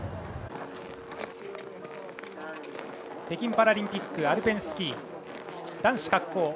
北京パラリンピックアルペンスキー男子滑降